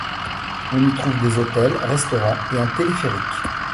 On y trouve des hôtels, restaurants et un téléphérique.